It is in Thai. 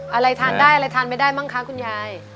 อะไรทานได้อะไรทานไม่ได้มั้งคะคุณยาย